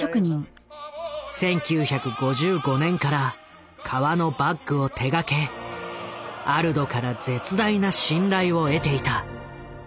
１９５５年から革のバッグを手がけアルドから絶大な信頼を得ていた。